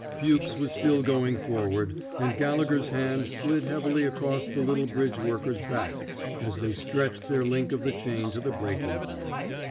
Fuchs was still going forward, and Gallegher 's hand slid heavily across the little bridge worker's back as they stretched their link of the chain to the breaking point.